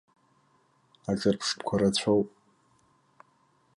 Аҿырԥштәқәа рацәоуп.